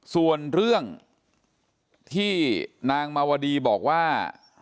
ส่วนเรื่องที่นางมาวดีบอกว่า